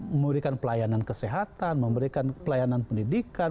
memberikan pelayanan kesehatan memberikan pelayanan pendidikan